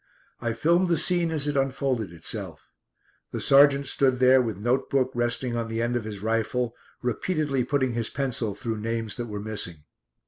I filmed the scene as it unfolded itself. The sergeant stood there with note book resting on the end of his rifle, repeatedly putting his pencil through names that were missing.